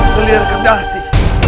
selir kedah si